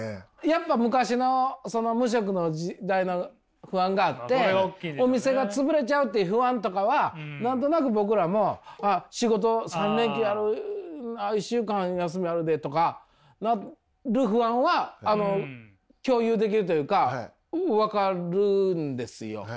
やっぱ昔の無職の時代の不安があってお店がつぶれちゃうっていう不安とかは何となく僕らもああ仕事１週間休みあるでとかなる不安は共有できるというか分かるんですよ。